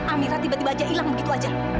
amira tiba tiba aja hilang begitu aja